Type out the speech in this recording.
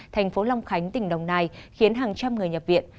thành phố long khánh tỉnh đồng nai khiến hàng trăm người nhập viện